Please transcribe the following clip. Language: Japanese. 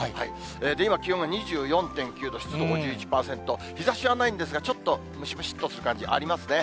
今、気温が２４．９度、湿度５１％、日ざしはないんですが、ちょっとムシムシっとする感じありますね。